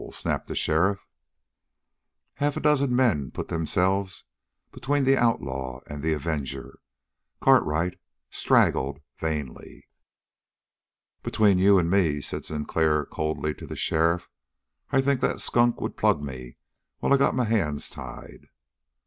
snapped the sheriff. Half a dozen men put themselves between the outlaw and the avenger. Cartwright straggled vainly. "Between you and me," said Sinclair coldly to the sheriff, "I think that skunk would plug me while I got my hands tied."